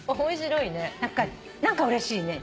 何かうれしいね。